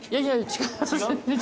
違う？